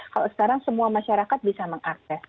kalau sekarang semua masyarakat bisa mengakses